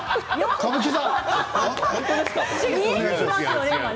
歌舞伎座。